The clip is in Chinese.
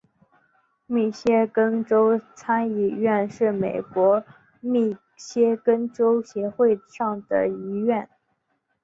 密歇根州参议院是美国密歇根州议会的上议院。